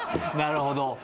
なるほど。